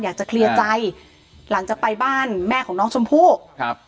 อยากจะเคลียร์ใจหลังจากไปบ้านแม่ของน้องชมพู่ครับ